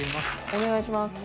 お願いします。